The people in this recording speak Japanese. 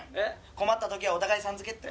困った時はお互い「さん」付けって。